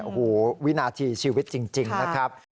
โอ้โหวินาทีชีวิตจริงนะครับ